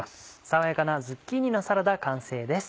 爽やかなズッキーニのサラダ完成です。